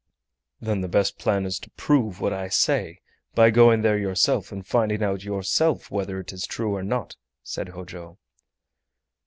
"Then the best plan is to prove what I say, by going there yourself and finding out yourself whether it is true or not," said Hojo.